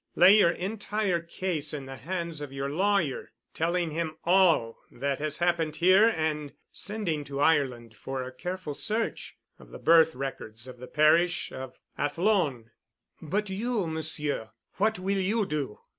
Lay your entire case in the hands of your lawyer—telling him all that has happened here and sending to Ireland for a careful search of the birth records of the parish of Athlone——" "But you, Monsieur. What will you do?"